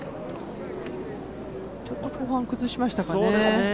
ちょっと後半崩しましたかね。